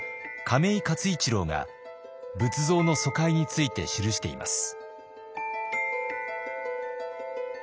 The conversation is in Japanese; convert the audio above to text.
亀井勝一郎が仏像の疎開について記しています。